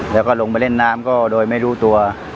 แล้วก็ลงไปเล่นน้ำก็โดยไม่รู้ตัว